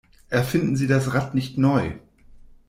Erfinden Sie das Rad nicht neu!